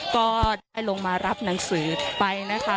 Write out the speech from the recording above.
ก็ได้ลงมารับหนังสือไปนะคะ